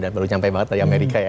dan baru sampai banget dari amerika ya